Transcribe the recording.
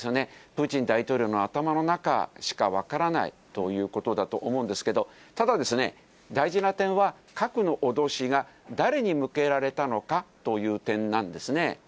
プーチン大統領の頭の中しか分からないということだと思うんですけど、ただですね、大事な点は、核の脅しが誰に向けられたのかという点なんですね。